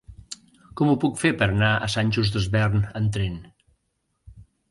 Com ho puc fer per anar a Sant Just Desvern amb tren?